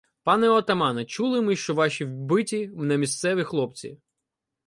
— Пане отамане! Чули ми, що ваші вбиті — немісцеві хлопці.